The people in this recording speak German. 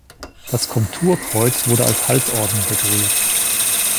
Das Komturkreuz wurde als Halsorden dekoriert.